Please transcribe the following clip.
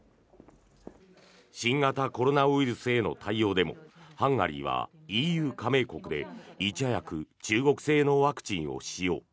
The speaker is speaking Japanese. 新型コロナウイルスへの対応でもハンガリーはＥＵ加盟国でいち早く中国製のワクチンを使用。